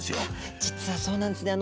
実はそうなんですね。